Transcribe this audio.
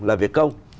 là việc công